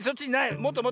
もっともっと。